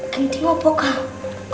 ganteng apa kak